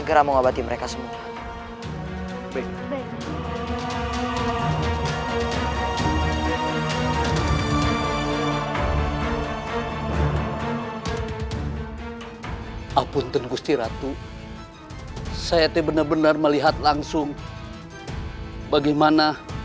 berantakan berantakan berantakan